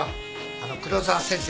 あの黒沢先生